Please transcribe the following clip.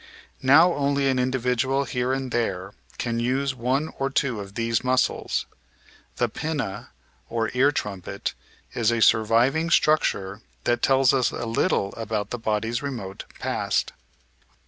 Now only an individual here and there can use one or two of these muscles. The pinna or "ear trumpet" is a surviving structure that tells us a little about the body's remote past.